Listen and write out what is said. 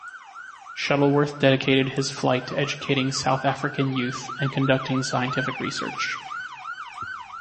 Shuttleworth dedicated his flight to educating South African youth and conducting scientific research.